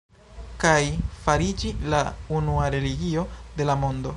Kaj fariĝi la unua religio de la mondo.